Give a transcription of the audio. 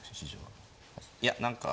いや何か。